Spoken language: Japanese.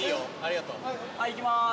いきます。